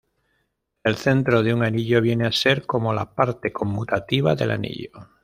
El centro de un anillo viene a ser como "la parte conmutativa del anillo".